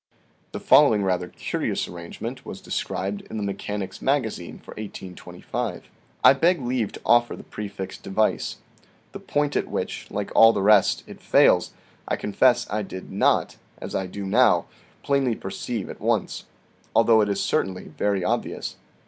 The following rather curious arrangement was described in "The Mechanic's Magazine" for 1825. " I beg leave to offer the prefixed device. The point at which, like all the rest, it fails, I confess I did not (as I do now) plainly perceive at once, although it is certainly very obvious.